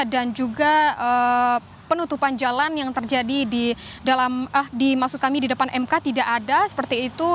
dan juga penutupan jalan yang terjadi di dalam maksud kami di depan mk tidak ada seperti itu